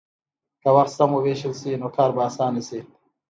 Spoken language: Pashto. که وخت سم ووېشل شي، نو کار به اسانه شي.